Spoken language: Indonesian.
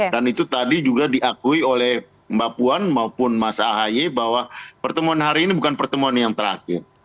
dan itu tadi juga diakui oleh bapuan maupun mas ahi bahwa pertemuan hari ini bukan pertemuan yang terakhir